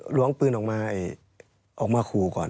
หลวงปืนออกมาคู่ก่อน